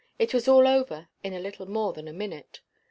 It was all over in little more than a minute.